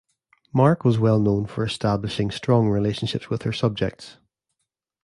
Mark was well known for establishing strong relationships with her subjects.